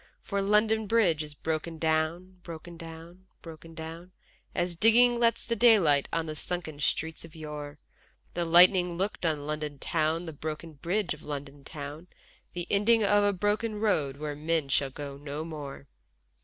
For London Bridge is broken down, broken down, broken down, As digging lets the daylight on the sunken streets of yore, The lightning looked on London town, the broken bridge of London town, The ending of a broken road where men shall go no more.